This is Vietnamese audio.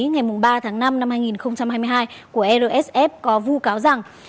ngày ba tháng năm năm hai nghìn hai mươi hai của rsf có vu cáo rằng